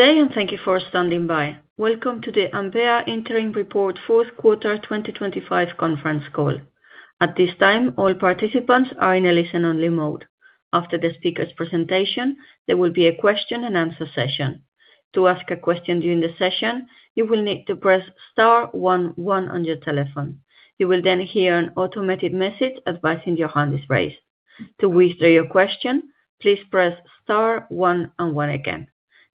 Good day, and thank you for standing by. Welcome to the Ambea Interim Report fourth quarter 2025 conference call. At this time, all participants are in a listen-only mode. After the speaker's presentation, there will be a question-and-answer session. To ask a question during the session, you will need to press star one one on your telephone. You will then hear an automated message advising your hand is raised. To withdraw your question, please press star one and one again.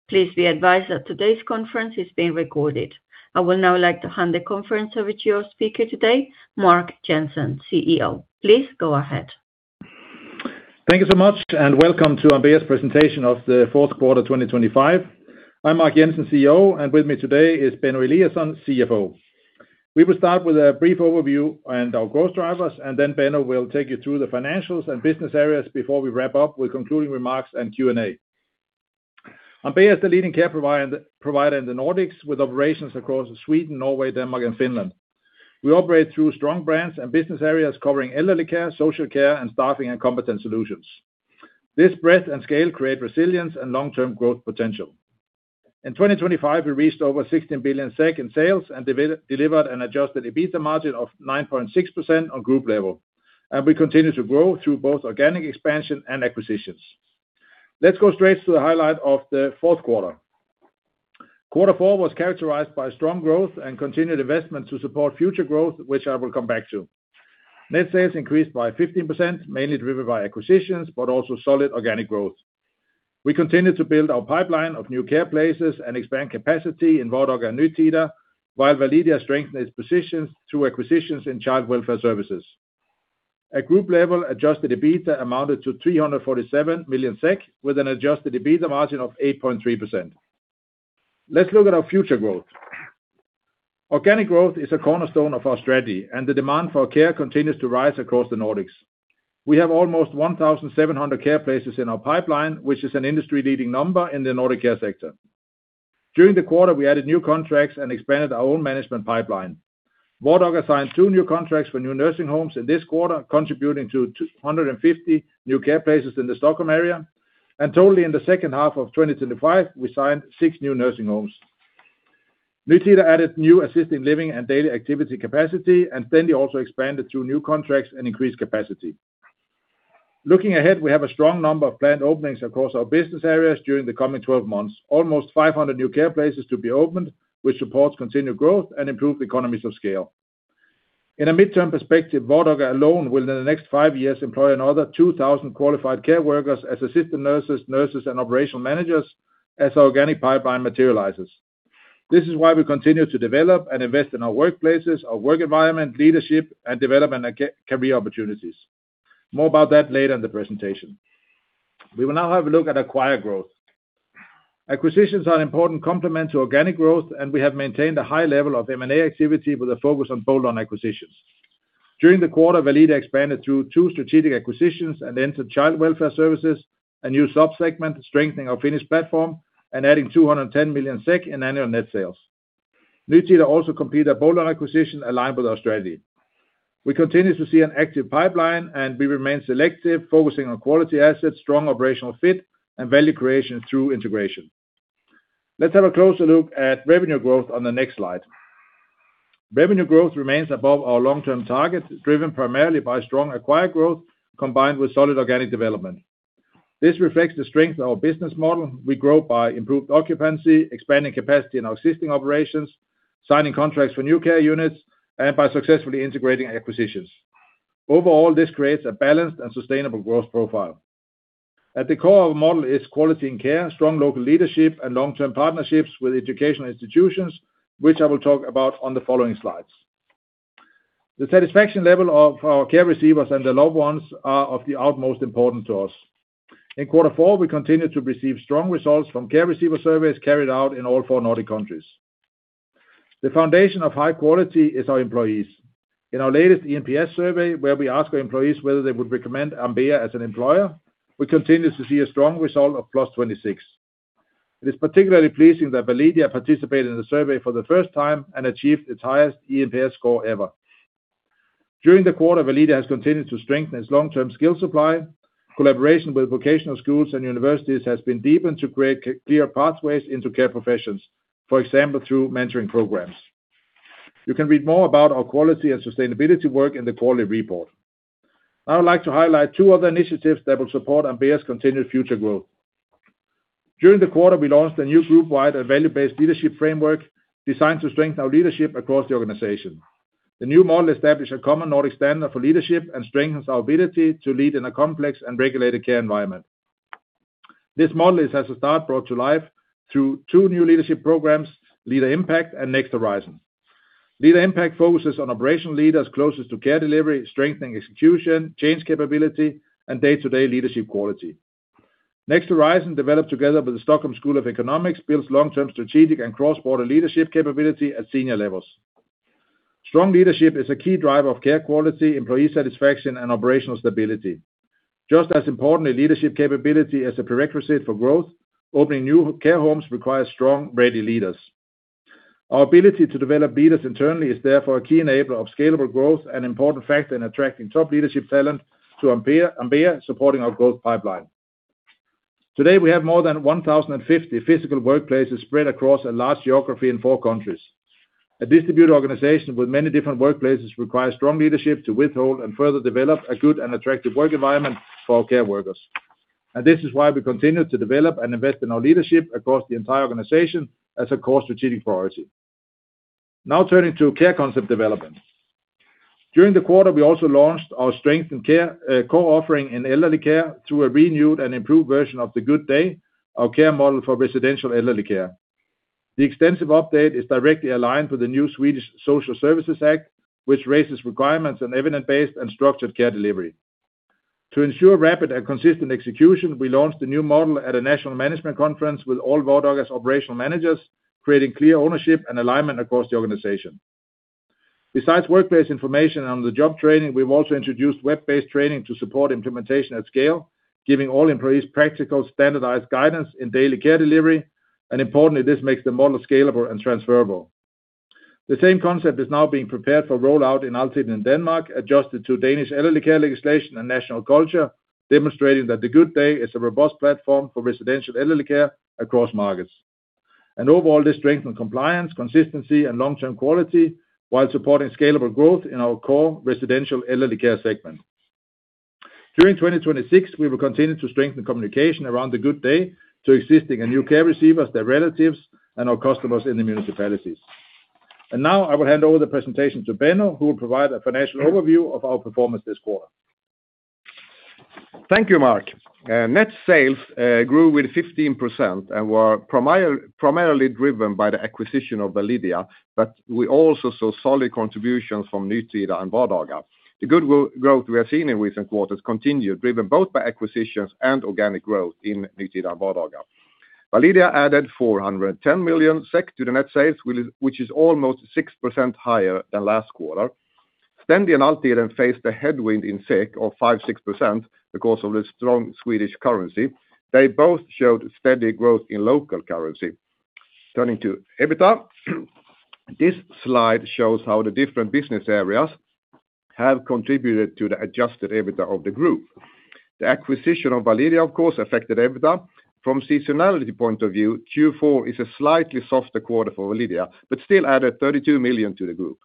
Please be advised that today's conference is being recorded. I would now like to hand the conference over to your speaker today, Mark Jensen, CEO. Please go ahead. Thank you so much, and welcome to Ambea's presentation of the fourth quarter 2025. I'm Mark Jensen, CEO, and with me today is Benno Eliasson, CFO. We will start with a brief overview and our growth drivers, and then Benno will take you through the financials and business areas before we wrap up with concluding remarks and Q&A. Ambea is the leading care provider in the Nordics, with operations across Sweden, Norway, Denmark and Finland. We operate through strong brands and business areas covering elderly care, social care, and staffing and competent solutions. This breadth and scale create resilience and long-term growth potential. In 2025, we reached over 16 billion SEK in sales and delivered an Adjusted EBITDA margin of 9.6% on group level, and we continue to grow through both organic expansion and acquisitions. Let's go straight to the highlight of the fourth quarter. Quarter four was characterized by strong growth and continued investment to support future growth, which I will come back to. Net sales increased by 15%, mainly driven by acquisitions, but also solid organic growth. We continued to build our pipeline of new care places and expand capacity in Vardaga and Nytida, while Validia strengthened its positions through acquisitions in child welfare services. At group level, Adjusted EBITDA amounted to 347 million SEK, with an Adjusted EBITDA margin of 8.3%. Let's look at our future growth. Organic growth is a cornerstone of our strategy, and the demand for care continues to rise across the Nordics. We have almost 1,700 care places in our pipeline, which is an industry-leading number in the Nordic care sector. During the quarter, we added new contracts and expanded our own management pipeline. Vardaga signed 2 new contracts for new nursing homes in this quarter, contributing to 250 new care places in the Stockholm area, and totally in the second half of 2025, we signed 6 new nursing homes. Nytida added new assisted living and daily activity capacity, and then they also expanded through new contracts and increased capacity. Looking ahead, we have a strong number of planned openings across our business areas during the coming 12 months. Almost 500 new care places to be opened, which supports continued growth and improved economies of scale. In a midterm perspective, Vardaga alone will, in the next 5 years, employ another 2,000 qualified care workers as assistant nurses, nurses, and operational managers as organic pipeline materializes. This is why we continue to develop and invest in our workplaces, our work environment, leadership, and development and career opportunities. More about that later in the presentation. We will now have a look at acquired growth. Acquisitions are an important complement to organic growth, and we have maintained a high level of M&A activity with a focus on bolt-on acquisitions. During the quarter, Validia expanded through two strategic acquisitions and entered child welfare services, a new sub-segment, strengthening our Finnish platform and adding 210 million SEK in annual net sales. Nytida also completed a bolt-on acquisition aligned with our strategy. We continue to see an active pipeline, and we remain selective, focusing on quality assets, strong operational fit, and value creation through integration. Let's have a closer look at revenue growth on the next slide. Revenue growth remains above our long-term target, driven primarily by strong acquired growth combined with solid organic development. This reflects the strength of our business model. We grow by improved occupancy, expanding capacity in our existing operations, signing contracts for new care units, and by successfully integrating acquisitions. Overall, this creates a balanced and sustainable growth profile. At the core of our model is quality in care, strong local leadership, and long-term partnerships with educational institutions, which I will talk about on the following slides. The satisfaction level of our care receivers and their loved ones are of the utmost importance to us. In quarter four, we continued to receive strong results from care receiver surveys carried out in all four Nordic countries. The foundation of high quality is our employees. In our latest eNPS survey, where we ask our employees whether they would recommend Ambea as an employer, we continue to see a strong result of +26. It is particularly pleasing that Validia participated in the survey for the first time and achieved its highest eNPS score ever. During the quarter, Validia has continued to strengthen its long-term skill supply. Collaboration with vocational schools and universities has been deepened to create clear pathways into care professions, for example, through mentoring programs. You can read more about our quality and sustainability work in the quarterly report. I would like to highlight two other initiatives that will support Ambea's continued future growth. During the quarter, we launched a new group-wide and value-based leadership framework designed to strengthen our leadership across the organization. The new model established a common Nordic standard for leadership and strengthens our ability to lead in a complex and regulated care environment. This model is, as a start, brought to life through two new leadership programs, Leader Impact and Next Horizon. Leader Impact focuses on operational leaders closest to care delivery, strengthening execution, change capability, and day-to-day leadership quality. Next Horizon, developed together with the Stockholm School of Economics, builds long-term strategic and cross-border leadership capability at senior levels. Strong leadership is a key driver of care quality, employee satisfaction, and operational stability. Just as importantly, leadership capability is a prerequisite for growth. Opening new care homes requires strong, ready leaders.... Our ability to develop leaders internally is therefore a key enabler of scalable growth and an important factor in attracting top leadership talent to Ambea, supporting our growth pipeline. Today, we have more than 1,050 physical workplaces spread across a large geography in 4 countries. A distributed organization with many different workplaces requires strong leadership to withhold and further develop a good and attractive work environment for our care workers. And this is why we continue to develop and invest in our leadership across the entire organization as a core strategic priority. Now turning to care concept development. During the quarter, we also launched our strength in care, co-offering in elderly care through a renewed and improved version of The Good Day, our care model for residential elderly care. The extensive update is directly aligned with the new Swedish Social Services Act, which raises requirements on evidence-based and structured care delivery. To ensure rapid and consistent execution, we launched the new model at a national management conference with all Vardaga's operational managers, creating clear ownership and alignment across the organization. Besides workplace information on the job training, we've also introduced web-based training to support implementation at scale, giving all employees practical, standardized guidance in daily care delivery, and importantly, this makes the model scalable and transferable. The same concept is now being prepared for rollout in Altiden in Denmark, adjusted to Danish elderly care legislation and national culture, demonstrating that The Good Day is a robust platform for residential elderly care across markets. Overall, this strengthen compliance, consistency, and long-term quality, while supporting scalable growth in our core residential elderly care segment. During 2026, we will continue to strengthen communication around The Good Day to existing and new care receivers, their relatives, and our customers in the municipalities. Now, I will hand over the presentation to Benno, who will provide a financial overview of our performance this quarter. Thank you, Mark. Net sales grew with 15% and were primarily driven by the acquisition of Validia, but we also saw solid contributions from Nytida and Vardaga. The good growth we have seen in recent quarters continued, driven both by acquisitions and organic growth in Nytida and Vardaga. Validia added 410 million SEK to the net sales, which is almost 6% higher than last quarter. Stendi and Altiden faced a headwind in SEK of 5-6% because of the strong Swedish currency. They both showed steady growth in local currency. Turning to EBITDA, this slide shows how the different business areas have contributed to the Adjusted EBITDA of the group. The acquisition of Validia, of course, affected EBITDA. From seasonality point of view, Q4 is a slightly softer quarter for Validia, but still added 32 million to the group.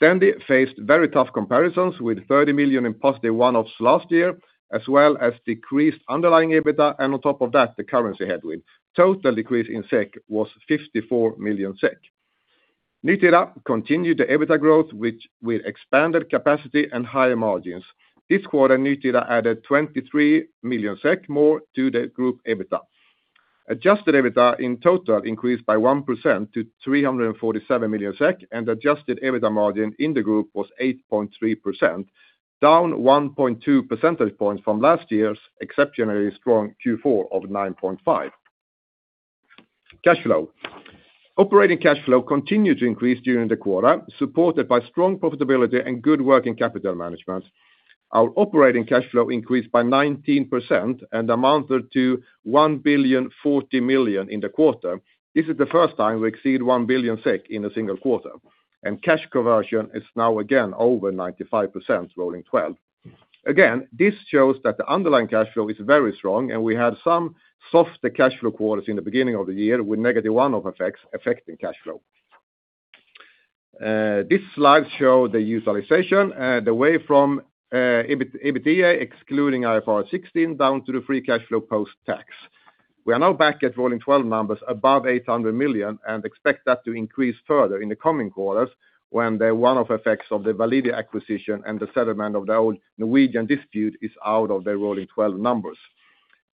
Stendi faced very tough comparisons, with 30 million in positive one-offs last year, as well as decreased underlying EBITDA, and on top of that, the currency headwind. Total decrease in SEK was 54 million SEK. Nytida continued the EBITDA growth, which with expanded capacity and higher margins. This quarter, Nytida added 23 million SEK more to the group EBITDA. Adjusted EBITDA in total increased by 1% to 347 million SEK, and Adjusted EBITDA margin in the group was 8.3%, down 1.2 percentage points from last year's exceptionally strong Q4 of 9.5%. Cash flow. Operating cash flow continued to increase during the quarter, supported by strong profitability and good working capital management. Our operating cash flow increased by 19% and amounted to 1.04 billion in the quarter. This is the first time we exceed 1 billion SEK in a single quarter, and cash conversion is now again over 95% rolling twelve. Again, this shows that the underlying cash flow is very strong, and we had some softer cash flow quarters in the beginning of the year with negative one-off effects affecting cash flow. This slide show the utilization, the way from, EBITDA, excluding IFRS 16, down to the free cash flow post-tax. We are now back at rolling twelve numbers above 800 million and expect that to increase further in the coming quarters when the one-off effects of the Validia acquisition and the settlement of the old Norwegian dispute is out of the rolling twelve numbers.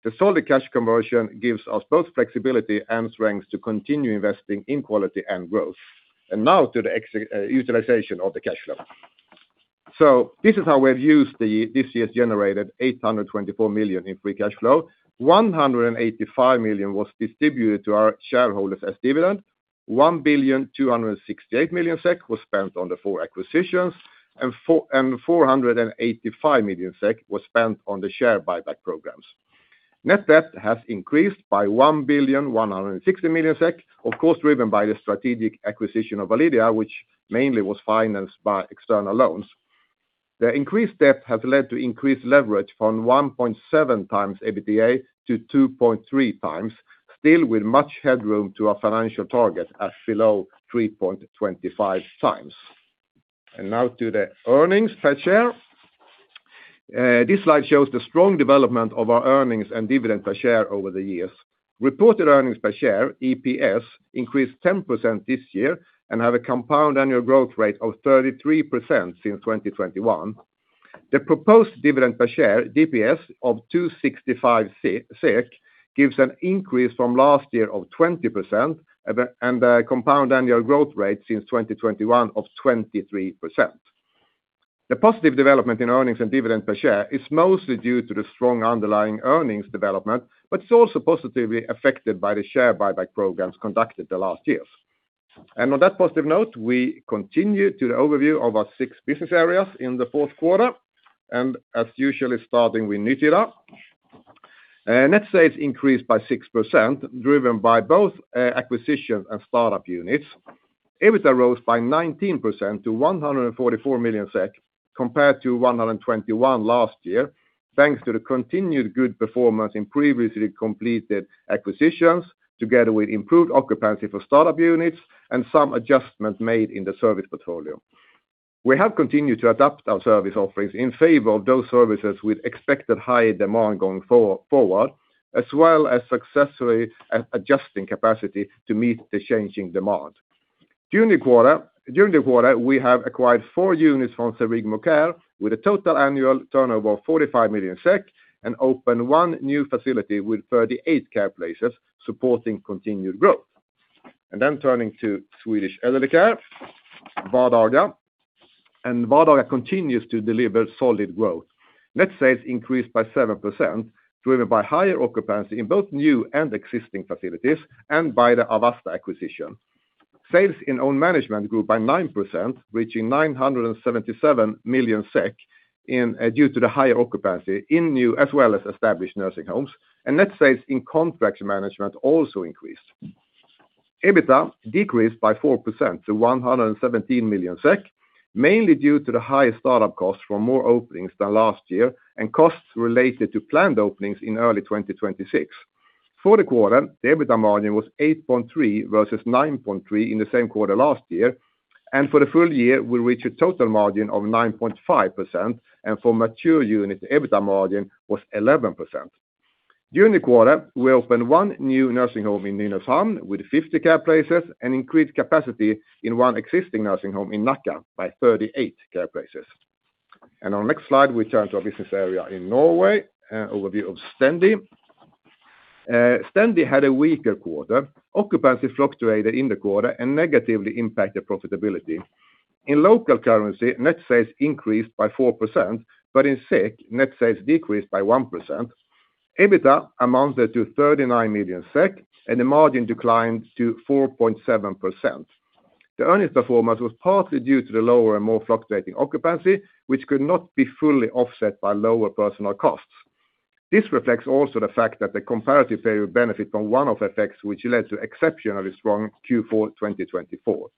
The solid cash conversion gives us both flexibility and strength to continue investing in quality and growth. Now to the utilization of the cash flow. So this is how we have used this year's generated 824 million in free cash flow. 185 million was distributed to our shareholders as dividend. 1,268 million SEK was spent on the four acquisitions, and 485 million SEK was spent on the share buyback programs. Net debt has increased by 1,160 million SEK, of course, driven by the strategic acquisition of Validia, which mainly was financed by external loans. The increased debt has led to increased leverage from 1.7x EBITDA to 2.3x, still with much headroom to our financial target at below 3.25x. Now to the earnings per share. This slide shows the strong development of our earnings and dividend per share over the years. Reported earnings per share, EPS, increased 10% this year and have a compound annual growth rate of 33% since 2021. The proposed dividend per share, DPS, of 2.65 SEK, gives an increase from last year of 20%, and a compound annual growth rate since 2021 of 23%. The positive development in earnings and dividend per share is mostly due to the strong underlying earnings development, but it's also positively affected by the share buyback programs conducted the last years. On that positive note, we continue to the overview of our six business areas in the fourth quarter, and as usual, starting with Nytida. Net sales increased by 6%, driven by both acquisition and startup units. EBITDA rose by 19% to 144 million SEK, compared to 121 last year, thanks to the continued good performance in previously completed acquisitions, together with improved occupancy for startup units and some adjustments made in the service portfolio. We have continued to adapt our service offerings in favor of those services with expected high demand going forward, as well as successfully adjusting capacity to meet the changing demand. During the quarter, we have acquired four units from Serigmo Invest, with a total annual turnover of 45 million SEK, and opened one new facility with 38 care places, supporting continued growth. Then turning to Swedish Elderly Care, Vardaga. Vardaga continues to deliver solid growth. Net sales increased by 7%, driven by higher occupancy in both new and existing facilities, and by the Avesta acquisition. Sales in own management grew by 9%, reaching 977 million SEK due to the higher occupancy in new as well as established nursing homes. Net sales in contract management also increased. EBITDA decreased by 4% to 117 million SEK, mainly due to the higher startup costs from more openings than last year, and costs related to planned openings in early 2026. For the quarter, the EBITDA margin was 8.3 versus 9.3 in the same quarter last year. For the full year, we reached a total margin of 9.5%, and for mature units, the EBITDA margin was 11%. During the quarter, we opened one new nursing home in Nynäshamn with 50 care places, and increased capacity in one existing nursing home in Nacka by 38 care places. On the next slide, we turn to our business area in Norway, overview of Stendi. Stendi had a weaker quarter. Occupancy fluctuated in the quarter and negatively impacted profitability. In local currency, net sales increased by 4%, but in SEK, net sales decreased by 1%. EBITDA amounted to 39 million SEK, and the margin declined to 4.7%. The earnings performance was partly due to the lower and more fluctuating occupancy, which could not be fully offset by lower personal costs. This reflects also the fact that the comparative favor benefit from one-off effects, which led to exceptionally strong Q4 2024.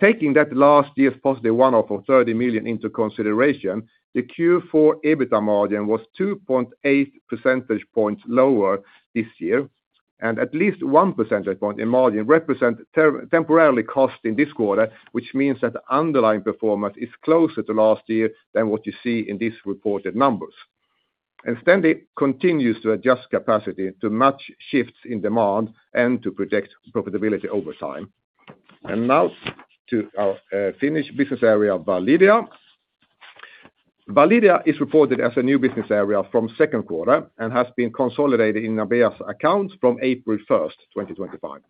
Taking that last year's positive one-off of 30 million into consideration, the Q4 EBITDA margin was 2.8 percentage points lower this year, and at least 1 percentage point in margin represent temporarily cost in this quarter, which means that the underlying performance is closer to last year than what you see in these reported numbers. Stendi continues to adjust capacity to match shifts in demand and to protect profitability over time. Now to our Finnish business area, Validia. Validia is reported as a new business area from second quarter and has been consolidated in Ambea's accounts from April 1, 2025.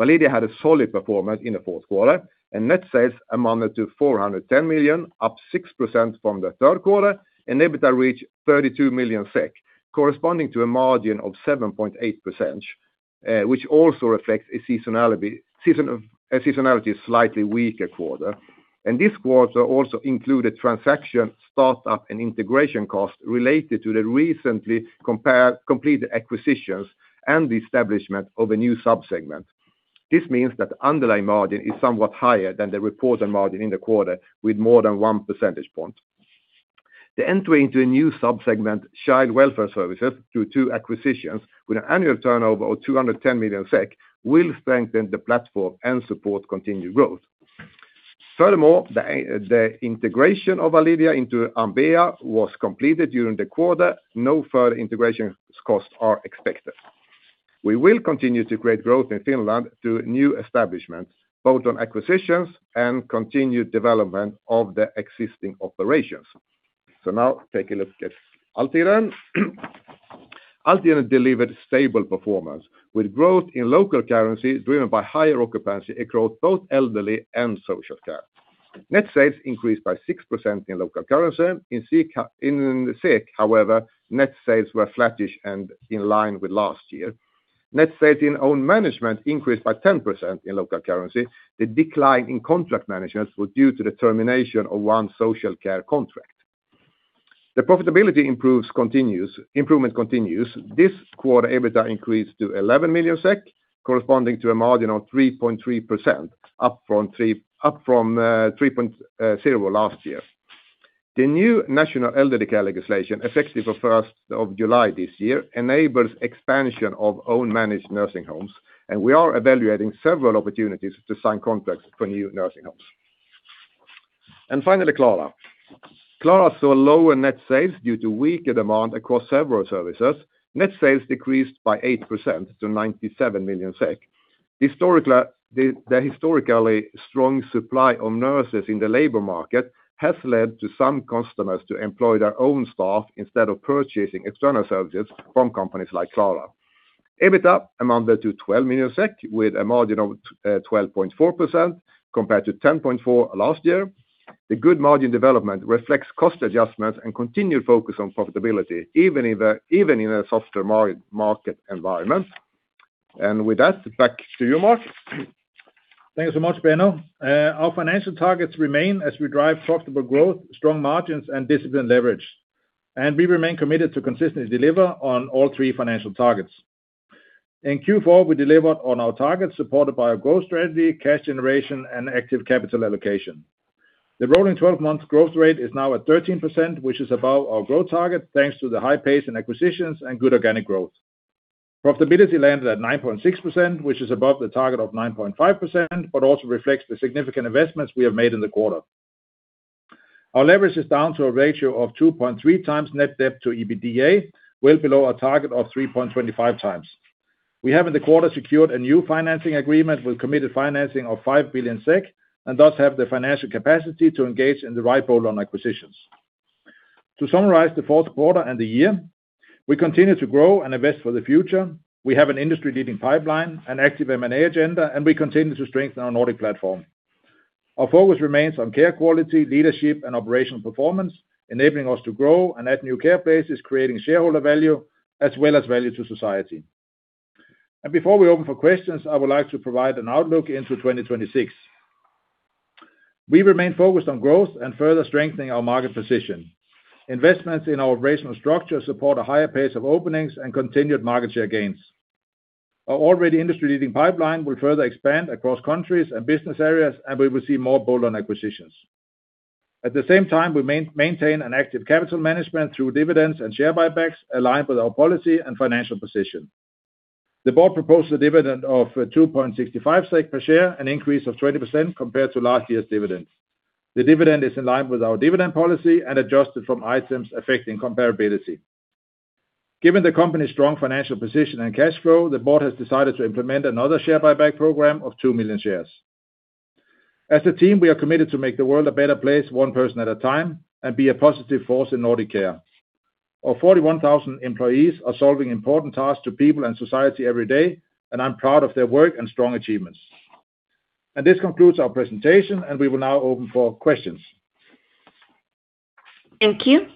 Validia had a solid performance in the fourth quarter, and net sales amounted to 410 million SEK, up 6% from the third quarter, and EBITDA reached 32 million SEK, corresponding to a margin of 7.8%, which also affects seasonality; seasonality is a slightly weaker quarter. This quarter also included transaction, startup, and integration costs related to the recently completed acquisitions and the establishment of a new sub-segment. This means that the underlying margin is somewhat higher than the reported margin in the quarter, with more than 1 percentage point. The entry into a new sub-segment, child welfare services, through two acquisitions with an annual turnover of 210 million SEK, will strengthen the platform and support continued growth. Furthermore, the integration of Validia into Ambea was completed during the quarter. No further integration costs are expected. We will continue to create growth in Finland through new establishments, both on acquisitions and continued development of the existing operations. So now take a look at Altiden. Altiden delivered stable performance with growth in local currency, driven by higher occupancy across both elderly and social care. Net sales increased by 6% in local currency. In SEK, in SEK, however, net sales were flattish and in line with last year. Net sales in own management increased by 10% in local currency. The decline in contract management was due to the termination of one social care contract. The profitability improvement continues. This quarter, EBITDA increased to 11 million SEK, corresponding to a margin of 3.3%, up from 3.0% last year. The new national elderly care legislation, effective for first of July this year, enables expansion of own managed nursing homes, and we are evaluating several opportunities to sign contracts for new nursing homes. Finally, Klara. Klara saw lower net sales due to weaker demand across several services. Net sales decreased by 8% to 97 million SEK. Historically, the historically strong supply of nurses in the labor market has led to some customers to employ their own staff instead of purchasing external services from companies like Klara. EBITDA amounted to 12 million SEK, with a margin of 12.4% compared to 10.4% last year. The good margin development reflects cost adjustments and continued focus on profitability, even in a softer market environment. With that, back to you, Mark.... Thank you so much, Benno. Our financial targets remain as we drive profitable growth, strong margins, and disciplined leverage, and we remain committed to consistently deliver on all three financial targets. In Q4, we delivered on our targets, supported by our growth strategy, cash generation, and active capital allocation. The rolling twelve-month growth rate is now at 13%, which is above our growth target, thanks to the high pace in acquisitions and good organic growth. Profitability landed at 9.6%, which is above the target of 9.5%, but also reflects the significant investments we have made in the quarter. Our leverage is down to a ratio of 2.3 times net debt to EBITDA, well below our target of 3.25 times. We have, in the quarter, secured a new financing agreement with committed financing of 5 billion SEK, and thus have the financial capacity to engage in the right bolt-on acquisitions. To summarize the fourth quarter and the year, we continue to grow and invest for the future. We have an industry-leading pipeline, an active M&A agenda, and we continue to strengthen our Nordic platform. Our focus remains on care quality, leadership, and operational performance, enabling us to grow and add new care bases, creating shareholder value as well as value to society. Before we open for questions, I would like to provide an outlook into 2026. We remain focused on growth and further strengthening our market position. Investments in our operational structure support a higher pace of openings and continued market share gains. Our already industry-leading pipeline will further expand across countries and business areas, and we will see more bolt-on acquisitions. At the same time, we maintain an active capital management through dividends and share buybacks, aligned with our policy and financial position. The board proposed a dividend of 2.65 SEK per share, an increase of 20% compared to last year's dividend. The dividend is in line with our dividend policy and adjusted from items affecting comparability. Given the company's strong financial position and cash flow, the board has decided to implement another share buyback program of 2 million shares. As a team, we are committed to make the world a better place, one person at a time, and be a positive force in Nordic care. Our 41,000 employees are solving important tasks to people and society every day, and I'm proud of their work and strong achievements. This concludes our presentation, and we will now open for questions. Thank you.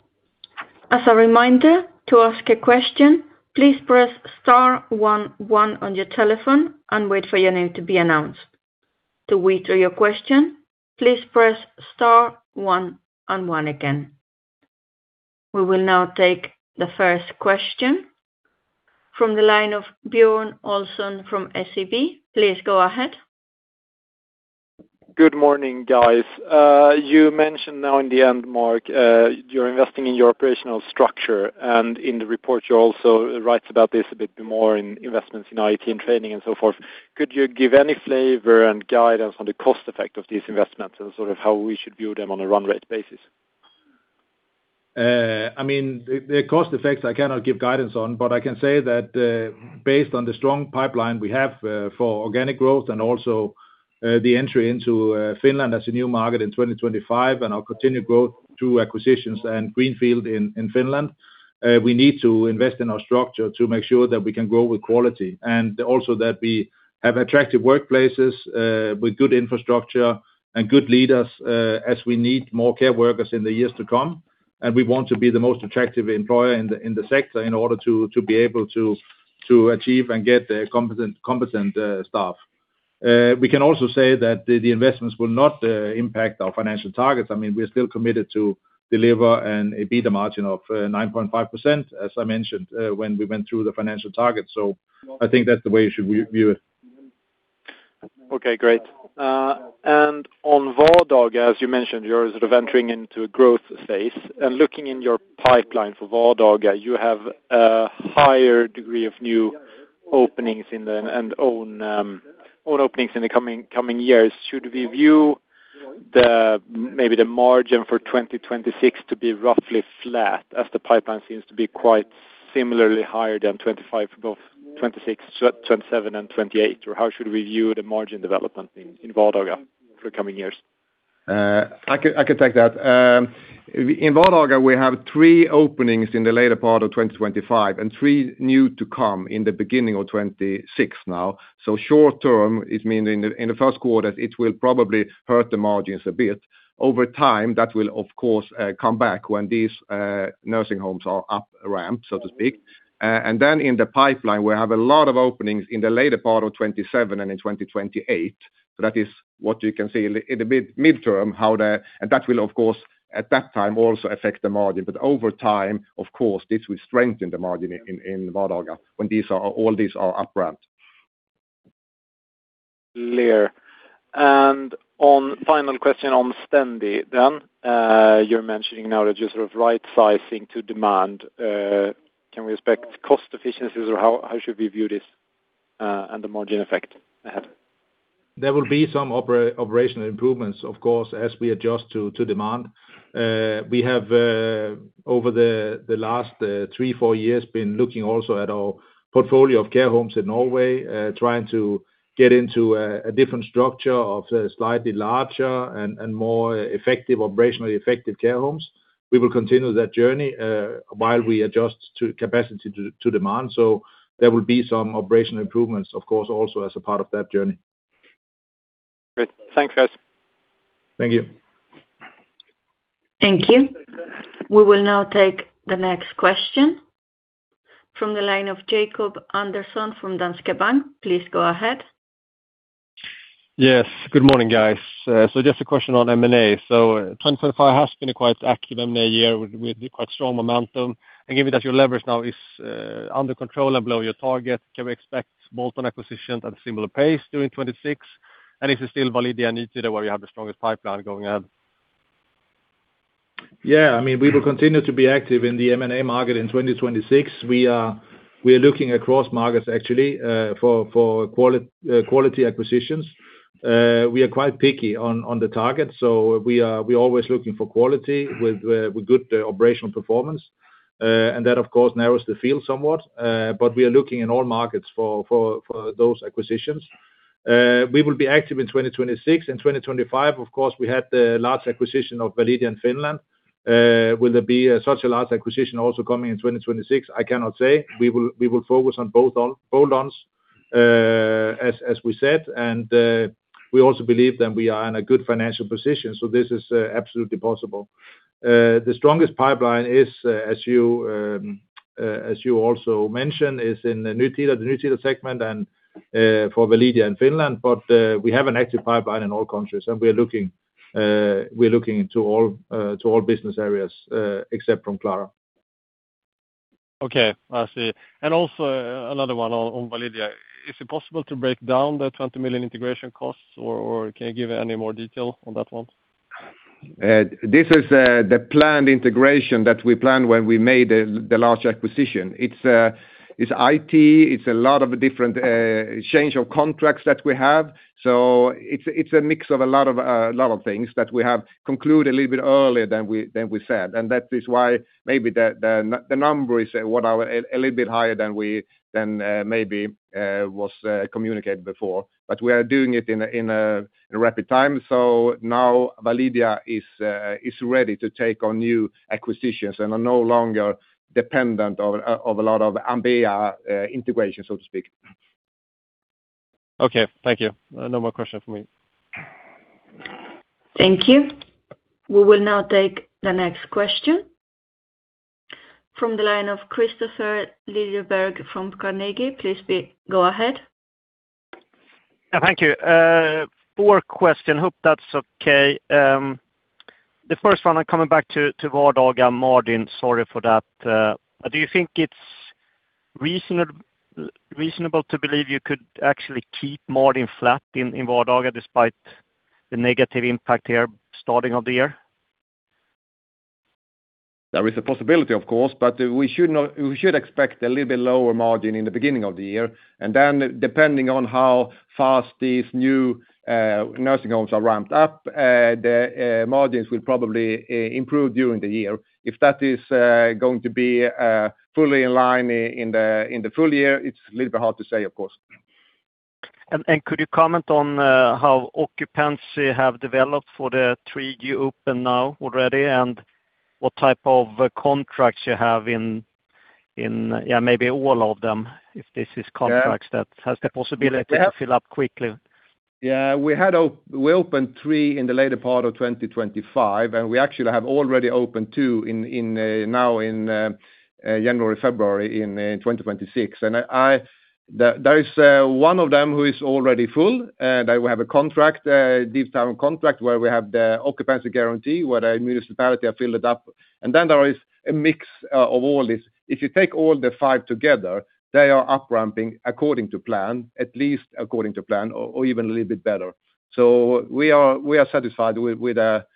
As a reminder, to ask a question, please press star one one on your telephone and wait for your name to be announced. To withdraw your question, please press star one and one again. We will now take the first question from the line of Björn Olsson from SEB. Please go ahead. Good morning, guys. You mentioned now in the end, Mark, you're investing in your operational structure, and in the report, you also writes about this a bit more in investments in IT and training and so forth. Could you give any flavor and guidance on the cost effect of these investments and sort of how we should view them on a run rate basis? I mean, the cost effects I cannot give guidance on, but I can say that, based on the strong pipeline we have, for organic growth and also, the entry into, Finland as a new market in 2025, and our continued growth through acquisitions and greenfield in Finland, we need to invest in our structure to make sure that we can grow with quality, and also that we have attractive workplaces, with good infrastructure and good leaders, as we need more care workers in the years to come, and we want to be the most attractive employer in the, in the sector in order to, to be able to, to achieve and get the competent staff. We can also say that the investments will not, impact our financial targets. I mean, we're still committed to deliver an EBITDA margin of 9.5%, as I mentioned, when we went through the financial targets, so I think that's the way you should view it. Okay, great. And on Vardaga, as you mentioned, you're sort of entering into a growth phase, and looking in your pipeline for Vardaga, you have a higher degree of new openings in the... and own own openings in the coming years. Should we view the, maybe the margin for 2026 to be roughly flat, as the pipeline seems to be quite similarly higher than 2025, both 2026, twenty-seven and 2028? Or how should we view the margin development in Vardaga for the coming years? I can take that. In Vardaga, we have three openings in the later part of 2025, and three new to come in the beginning of 2026 now. So short term, it mean in the first quarter, it will probably hurt the margins a bit. Over time, that will of course come back when these nursing homes are up-ramped, so to speak. And then in the pipeline, we have a lot of openings in the later part of 2027 and in 2028. That is what you can see in the mid-term, how the... And that will, of course, at that time, also affect the margin. But over time, of course, this will strengthen the margin in Vardaga when these, all these are up-ramped. Clear. On final question on Stendi, then, you're mentioning now that you're sort of right-sizing to demand. Can we expect cost efficiencies, or how, how should we view this, and the margin effect it have? There will be some operational improvements, of course, as we adjust to demand. We have, over the last 3-4 years, been looking also at our portfolio of care homes in Norway, trying to get into a different structure of slightly larger and more effective, operationally effective care homes. We will continue that journey, while we adjust capacity to demand, so there will be some operational improvements, of course, also as a part of that journey. Great. Thanks, guys. Thank you.... Thank you. We will now take the next question from the line of Jakob Andersson from Danske Bank. Please go ahead. Yes, good morning, guys. Just a question on M&A. 2025 has been a quite active M&A year with quite strong momentum, and given that your leverage now is under control and below your target, can we expect bolt-on acquisitions at a similar pace during 2026? And is it still valid, the initiative where you have the strongest pipeline going on? Yeah, I mean, we will continue to be active in the M&A market in 2026. We are looking across markets actually, for quality acquisitions. We are quite picky on the target, so we're always looking for quality with good operational performance. And that, of course, narrows the field somewhat, but we are looking in all markets for those acquisitions. We will be active in 2026. In 2025, of course, we had the large acquisition of Validia in Finland. Will there be such a large acquisition also coming in 2026? I cannot say. We will focus on both bolt-ons, as we said, and we also believe that we are in a good financial position, so this is absolutely possible. The strongest pipeline is, as you also mentioned, in the Nytida, the Nytida segment and, for Validia in Finland. But, we have an active pipeline in all countries, and we are looking, we're looking into all business areas, except from Klara. Okay, I see. And also, another one on Validia. Is it possible to break down the 20 million integration costs, or can you give any more detail on that one? This is the planned integration that we planned when we made the large acquisition. It's IT, it's a lot of different change of contracts that we have. So it's a mix of a lot of things that we have concluded a little bit earlier than we said. And that is why maybe the number is a little bit higher than maybe was communicated before. But we are doing it in a rapid time. So now Validia is ready to take on new acquisitions and are no longer dependent of a lot of Ambea integration, so to speak. Okay, thank you. No more questions for me. Thank you. We will now take the next question from the line of Kristofer Liljeberg from Carnegie. Please, go ahead. Thank you. Four questions, hope that's okay. The first one, I'm coming back to Vardaga margin, sorry for that. Do you think it's reasonable, reasonable to believe you could actually keep margin flat in Vardaga despite the negative impact here starting of the year? There is a possibility, of course, but we should expect a little bit lower margin in the beginning of the year. And then depending on how fast these new nursing homes are ramped up, the margins will probably improve during the year. If that is going to be fully in line in the full year, it's a little bit hard to say, of course. Could you comment on how occupancy have developed for the three you open now already, and what type of contracts you have in, yeah, maybe all of them, if this is contracts- Yeah. that has the possibility to fill up quickly? Yeah, we opened 3 in the later part of 2025, and we actually have already opened 2 in now in January, February in 2026. And I... There is one of them who is already full, they will have a contract, deep down contract, where we have the occupancy guarantee, where the municipality are filled it up. And then there is a mix of all this. If you take all the 5 together, they are up-ramping according to plan, at least according to plan, or even a little bit better. So we are satisfied with that.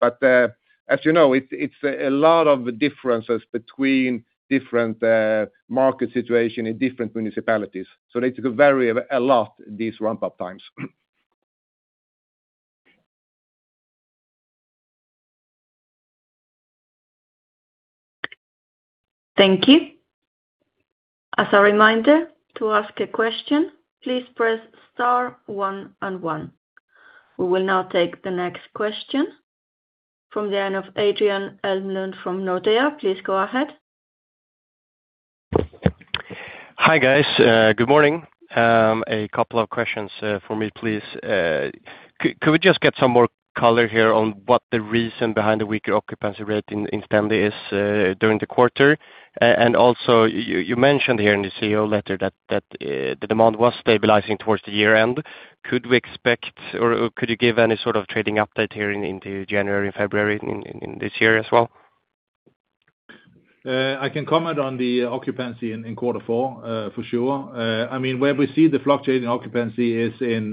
But as you know, it's a lot of differences between different market situation in different municipalities, so they could vary a lot, these ramp-up times. Thank you. As a reminder, to ask a question, please press star one and one. We will now take the next question from the line of Adrian Elmlund from Nordea. Please go ahead. Hi, guys, good morning. A couple of questions for me, please. Could we just get some more color here on what the reason behind the weaker occupancy rate in Stendi is during the quarter? And also, you mentioned here in the CEO letter that the demand was stabilizing towards the year end. Could we expect or could you give any sort of trading update here into January and February in this year as well? I can comment on the occupancy in quarter four, for sure. I mean, where we see the fluctuating occupancy is in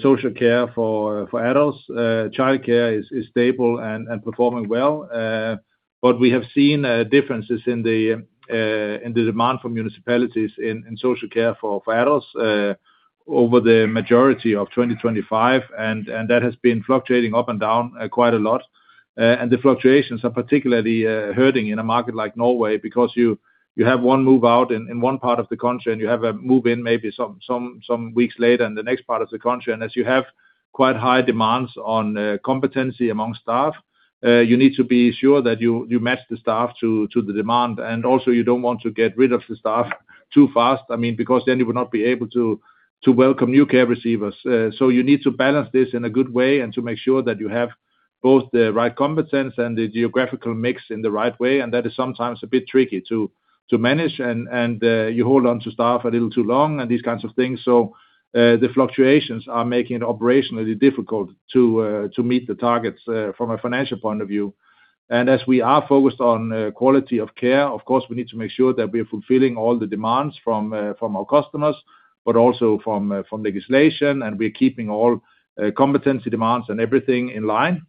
social care for adults. Childcare is stable and performing well. But we have seen differences in the demand for municipalities in social care for adults over the majority of 2025, and that has been fluctuating up and down quite a lot. And the fluctuations are particularly hurting in a market like Norway, because you have one move out in one part of the country, and you have a move-in maybe some weeks later in the next part of the country. As you have quite high demands on competency among staff, you need to be sure that you match the staff to the demand, and also you don't want to get rid of the staff too fast, I mean, because then you would not be able to welcome new care receivers. So you need to balance this in a good way and to make sure that you have both the right competence and the geographical mix in the right way, and that is sometimes a bit tricky to manage and you hold on to staff a little too long and these kinds of things. So the fluctuations are making it operationally difficult to meet the targets from a financial point of view. As we are focused on quality of care, of course, we need to make sure that we are fulfilling all the demands from our customers, but also from legislation, and we're keeping all competency demands and everything in line.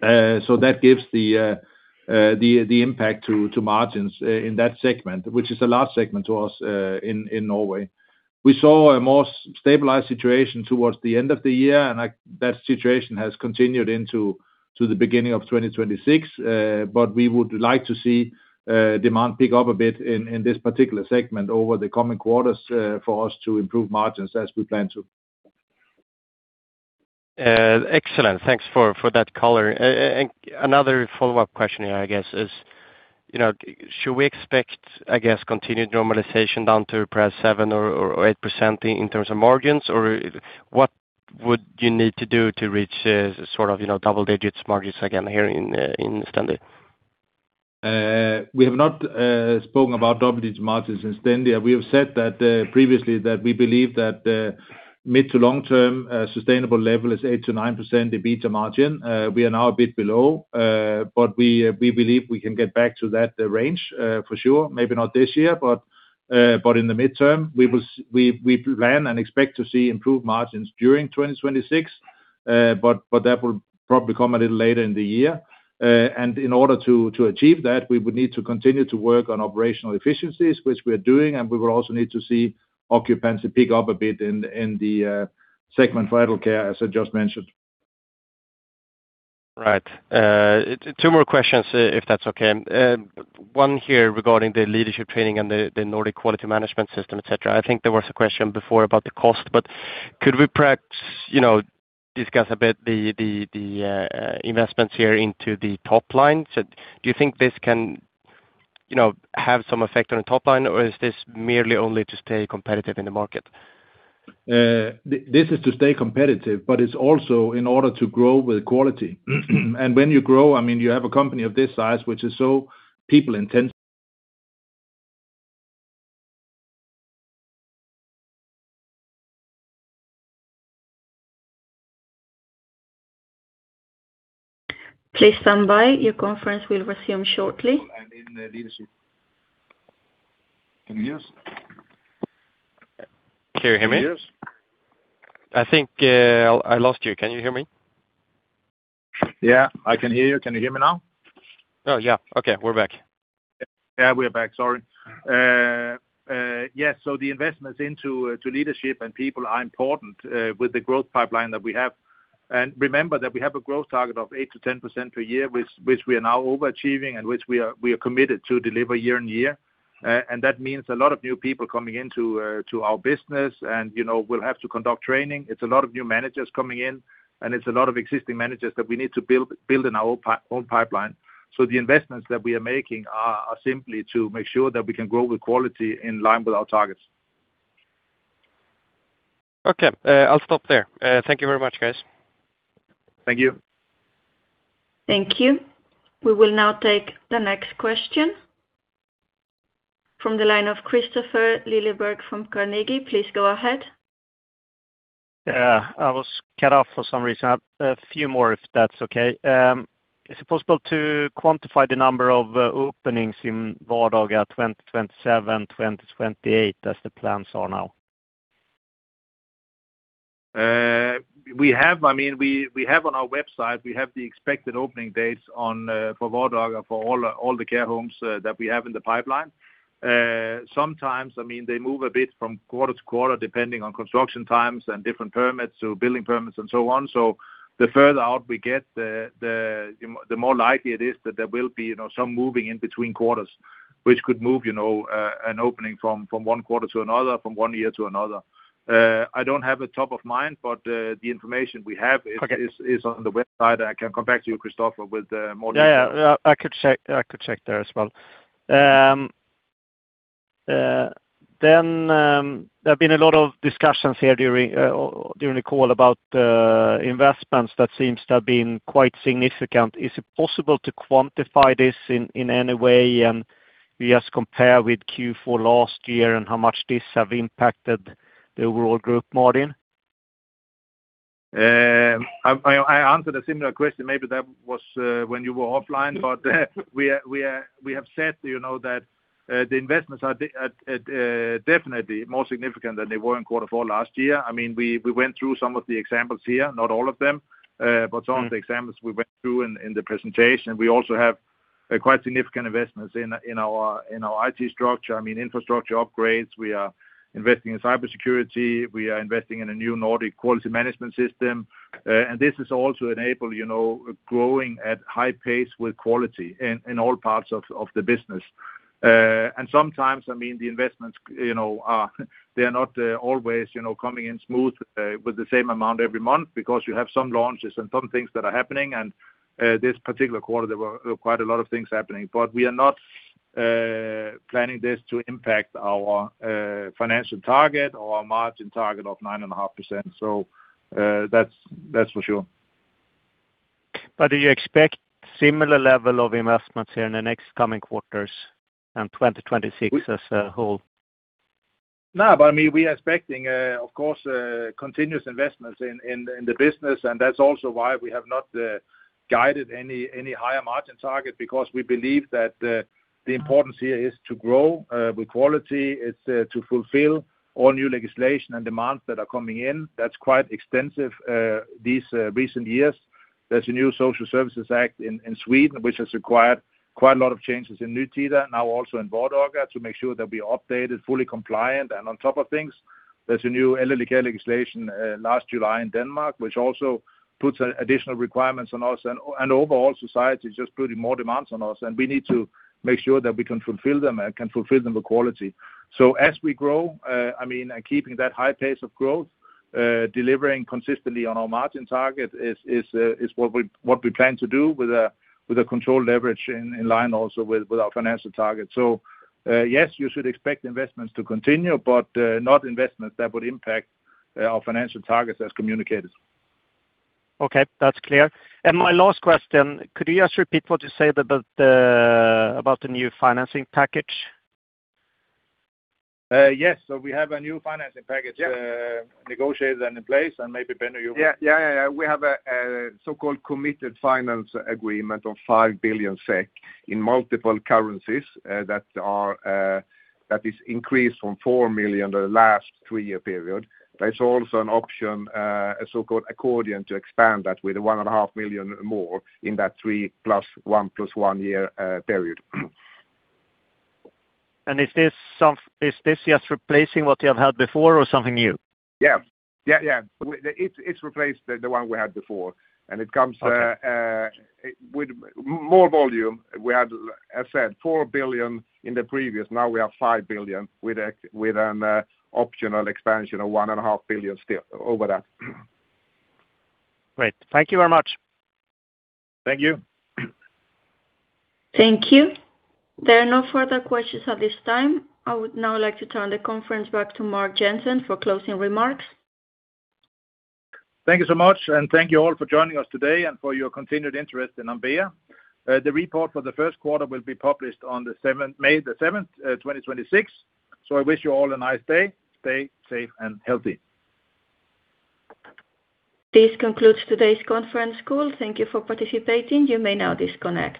That gives the impact to margins in that segment, which is a large segment to us in Norway. We saw a more stabilized situation towards the end of the year, and that situation has continued into the beginning of 2026. We would like to see demand pick up a bit in this particular segment over the coming quarters for us to improve margins as we plan to. Excellent. Thanks for that color. And another follow-up question here, I guess, you know, should we expect, I guess, continued normalization down to perhaps 7% or 8% in terms of margins? Or what would you need to do to reach, sort of, you know, double digits margins again here in Stendi? We have not spoken about double-digit margins in Stendi. We have said that previously that we believe that the mid- to long-term sustainable level is 8%-9% EBITDA margin. We are now a bit below, but we believe we can get back to that range for sure. Maybe not this year, but in the midterm, we will; we plan and expect to see improved margins during 2026. But that will probably come a little later in the year. And in order to achieve that, we would need to continue to work on operational efficiencies, which we are doing, and we will also need to see occupancy pick up a bit in the segment for vital care, as I just mentioned. Right. Two more questions, if that's okay. One here regarding the leadership training and the Nordic quality management system, et cetera. I think there was a question before about the cost, but could we perhaps, you know, discuss a bit the investments here into the top line? So do you think this can, you know, have some effect on the top line, or is this merely only to stay competitive in the market? This is to stay competitive, but it's also in order to grow with quality. And when you grow, I mean, you have a company of this size, which is so people intense- Please stand by. Your conference will resume shortly. In the leadership. Can you hear us? Can you hear me? Yes. I think, I lost you. Can you hear me? Yeah, I can hear you. Can you hear me now? Oh, yeah. Okay, we're back. Yeah, we're back. Sorry. Yes. So the investments into to leadership and people are important with the growth pipeline that we have. And remember that we have a growth target of 8%-10% per year, which we are now overachieving and which we are committed to deliver year on year. And that means a lot of new people coming into to our business, and, you know, we'll have to conduct training. It's a lot of new managers coming in, and it's a lot of existing managers that we need to build in our own pipeline. So the investments that we are making are simply to make sure that we can grow with quality in line with our targets. Okay, I'll stop there. Thank you very much, guys. Thank you. Thank you. We will now take the next question. From the line of Kristofer Liljeberg from Carnegie. Please go ahead. Yeah, I was cut off for some reason. I have a few more, if that's okay. Is it possible to quantify the number of openings in Vardaga 2027, 2028, as the plans are now? I mean, we have on our website the expected opening dates for Vardaga, for all the care homes that we have in the pipeline. Sometimes, I mean, they move a bit from quarter to quarter, depending on construction times and different permits, so building permits and so on. So the further out we get, the more likely it is that there will be, you know, some moving in between quarters, which could move, you know, an opening from one quarter to another, from one year to another. I don't have a top of mind, but the information we have- Okay. - is, is on the website. I can come back to you, Kristofer, with more details. Yeah, yeah. I could check, I could check there as well. Then, there have been a lot of discussions here during the call about investments that seems to have been quite significant. Is it possible to quantify this in any way, and we just compare with Q4 last year and how much this have impacted the overall group margin? I answered a similar question. Maybe that was when you were offline, but we have said, you know, that the investments are definitely more significant than they were in quarter four last year. I mean, we went through some of the examples here, not all of them. Mm. - but some of the examples we went through in the presentation. We also have quite significant investments in our IT structure, I mean, infrastructure upgrades. We are investing in cybersecurity, we are investing in a new Nordic quality management system. And this is also enable, you know, growing at high pace with quality in all parts of the business. And sometimes, I mean, the investments, you know, are, they are not always, you know, coming in smooth with the same amount every month because you have some launches and some things that are happening, and this particular quarter, there were quite a lot of things happening. But we are not planning this to impact our financial target or our margin target of 9.5%. So, that's for sure. Do you expect similar level of investments here in the next coming quarters and 2026 as a whole? No, but I mean, we are expecting, of course, continuous investments in, in, in the business, and that's also why we have not, guided any, any higher margin target, because we believe that, the importance here is to grow, with quality. It's, to fulfill all new legislation and demands that are coming in. That's quite extensive, these, recent years. There's a new Social Services Act in, in Sweden, which has required quite a lot of changes in Nytida, now also in Vardaga, to make sure that we are updated, fully compliant, and on top of things. There's a new elderly care legislation, last July in Denmark, which also puts additional requirements on us and, and overall society, just putting more demands on us, and we need to make sure that we can fulfill them, can fulfill them with quality. As we grow, I mean, and keeping that high pace of growth, delivering consistently on our margin target is what we plan to do with a controlled leverage in line also with our financial targets. So, yes, you should expect investments to continue, but not investments that would impact our financial targets as communicated. Okay, that's clear. And my last question, could you just repeat what you said about the new financing package? Yes. We have a new financing package- Yeah. negotiated and in place, and maybe, Ben, you- Yeah, yeah, yeah. We have a so-called committed finance agreement of 5 billion SEK in multiple currencies that is increased from 4 billion over the last three-year period. There's also an option, a so-called accordion, to expand that with 1.5 billion more in that three plus one plus one year period. Is this just replacing what you have had before or something new? Yeah. Yeah, yeah. It's replaced the one we had before, and it comes Okay... with more volume. We had, as I said, 4 billion in the previous. Now we have 5 billion with an optional expansion of 1.5 billion still over that. Great. Thank you very much. Thank you. Thank you. There are no further questions at this time. I would now like to turn the conference back to Mark Jensen for closing remarks. Thank you so much, and thank you all for joining us today and for your continued interest in Ambea. The report for the first quarter will be published on the 7th, May the 7th, 2026. So I wish you all a nice day. Stay safe and healthy. This concludes today's conference call. Thank you for participating. You may now disconnect.